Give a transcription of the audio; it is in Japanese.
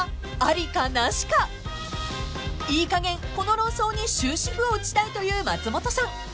［いいかげんこの論争に終止符を打ちたいという松本さん］